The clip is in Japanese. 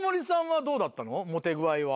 モテ具合は。